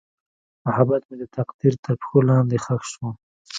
محبت مې د تقدیر تر پښو لاندې ښخ شو.